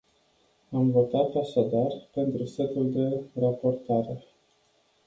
Am votat, așadar, pentru setul de rapoarte.